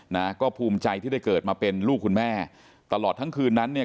นะก็ภูมิใจที่ได้เกิดมาเป็นลูกคุณแม่ตลอดทั้งคืนนั้นเนี่ย